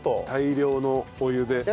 大量のお湯で。